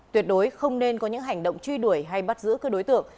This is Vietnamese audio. tuyệt đối không nên có những hành động truy đuổi hay bắt giữ cơ đối tượng